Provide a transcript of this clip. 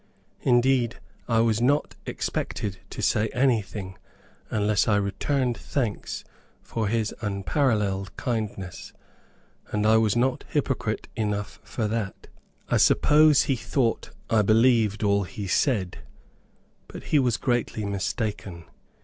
Indeed, I was not expected to say anything, unless I returned thanks for his unparalleled kindness, and I was not hypocrite enough for that. I suppose he thought I believed all he said, but he was greatly mistaken.